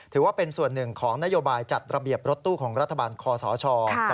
ถือว่าเป็นส่วนหนึ่งของนโยบายจัดระเบียบรถตู้ของรัฐบาลคอสช